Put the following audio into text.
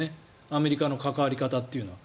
アメリカの関わり方というのは。